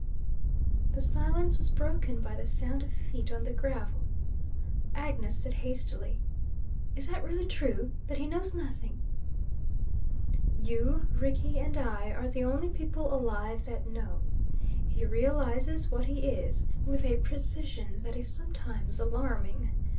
The silence was broken by the sound of feet on the gravel. Agnes said hastily, "Is that really true that he knows nothing?" "You, Rickie, and I are the only people alive that know. He realizes what he is with a precision that is sometimes alarming.